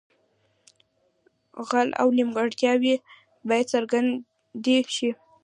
خل او نیمګړتیاوې باید څرګندې شي.